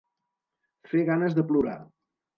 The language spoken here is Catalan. Fer ganes de plorar.